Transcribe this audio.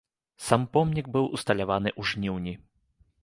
Сам помнік быў усталяваны ў жніўні.